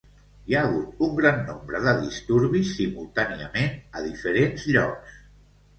Hi ha hagut un gran nombre de disturbis simultàniament a diferents llocs.